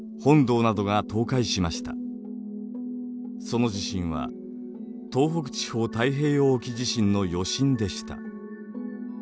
その地震は東北地方太平洋沖地震の余震でした。